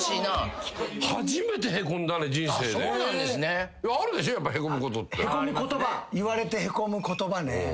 言われてへこむ言葉ね。